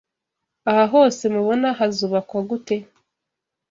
aha hose mubona hazubakwa gute